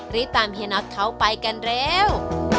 รีบตามพี่หนอช์เข้าไปกันเร็ว